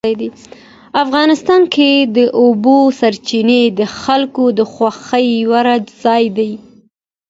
افغانستان کې د اوبو سرچینې د خلکو د خوښې وړ ځای دی.